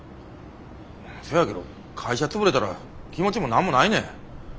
せやけど会社潰れたら気持ちも何もないねん。